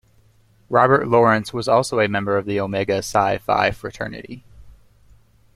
Robert Lawrence was also a member of Omega Psi Phi fraternity.